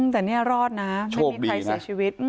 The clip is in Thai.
แต่นี่รอดนะไม่มีใครเสียชีวิต